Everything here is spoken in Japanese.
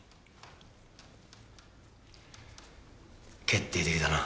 決定的だな。